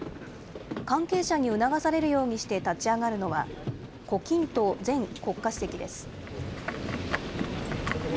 関係者に促されるようにして立ち上がるのは、胡錦涛前国家主席です。